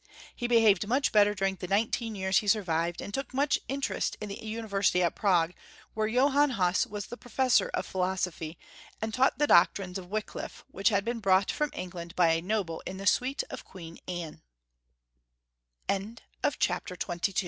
He behaved much better during the nineteen years he survived, and took much in terest in the University at Prague, where Johann Huss was the Professor of Philosophy, and taught the doctrines of Wickliffe, which had been brought from England by a noble in the